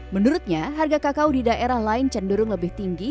menurutnya harga kakao di daerah lain cenderung lebih tinggi